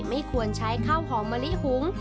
ไม่ควรใช้ข้าวหอมมะลิหุง